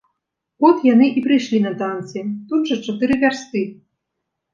От яны і прыйшлі на танцы, тут жа чатыры вярсты.